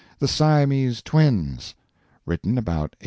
THE SIAMESE TWINS [Written about 1868.